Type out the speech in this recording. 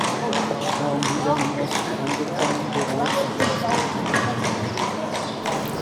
Kaum wieder im Osten angekommen, bereut sie ihre vorschnelle Entscheidung.